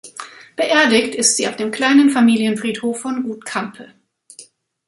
Beerdigt ist sie auf dem kleinen Familienfriedhof von Gut Campe.